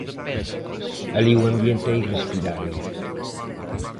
Alí o ambiente é irrespirable.